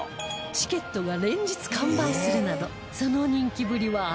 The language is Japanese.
チケットが連日完売するなどその人気ぶりは圧倒的